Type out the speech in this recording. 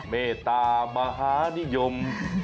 เมตตามหานิยม